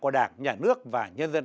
của đảng nhà nước và nhân dân